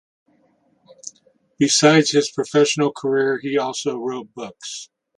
Besides his professional career he also wrote books.